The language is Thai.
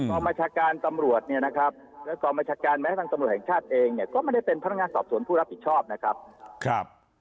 บัญชาการตำรวจเนี่ยนะครับและกองบัญชาการแม้ทางตำรวจแห่งชาติเองเนี่ยก็ไม่ได้เป็นพนักงานสอบสวนผู้รับผิดชอบนะครับ